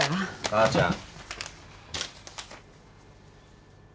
母ちゃん！